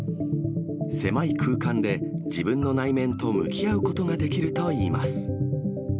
狭い空間で自分の内面と向き合うことができるといいます。